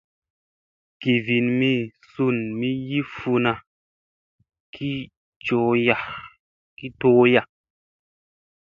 Givin mi sun mi yii funa ki tooya.